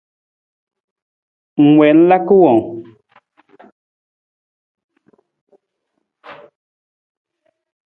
Ng wii ng laka wang ?